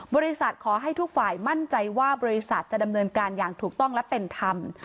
บริษัทขอให้ทุกฝ่ายมั่นใจว่าบริษัทจะดำเนินการอย่างถูกต้องและเป็นธรรม